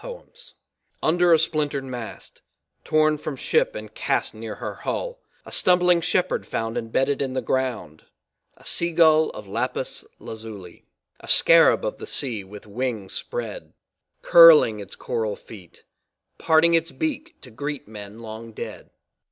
TALISMAN Under a splintered mast, torn from ship and cast near her hull, a stumbling shepherd found embedded in the ground, a sea gull of lapis lazuli, a scarab of the sea, with wings spread curling its coral feet, parting its beak to greet men long dead.